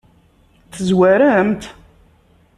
Tezwarem-t?